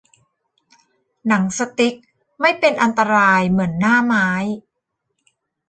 หนังสติ๊กไม่เป็นอันตรายเหมือนหน้าไม้